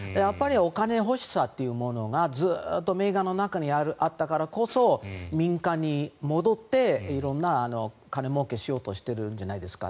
お金欲しさというものがずっとメーガンの中にあったからこそ民間に戻って色んな金もうけしようとしているじゃないですか。